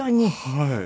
はい。